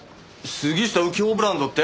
杉下右京ブランドって？